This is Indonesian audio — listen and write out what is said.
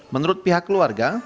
menurut pihak keluarga